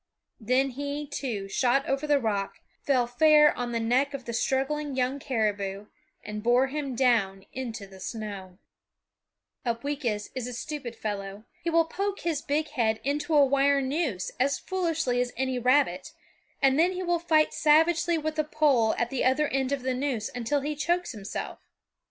Then he, too, shot over the rock, fell fair on the neck of the struggling young caribou, and bore him down into the snow. [Illustration: "Then he, too, shot over the rock"] Upweekis is a stupid fellow. He will poke his big head into a wire noose as foolishly as any rabbit, and then he will fight savagely with the pole at the other end of the noose until he chokes himself.